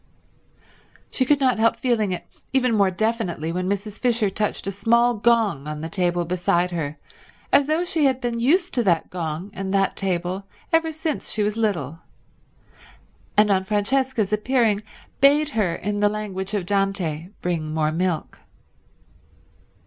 She could not help feeling it even more definitely when Mrs. Fisher touched a small gong on the table beside her as though she had been used to that gong and that table ever since she was little, and, on Francesca's appearing, bade her in the language of Dante bring more milk.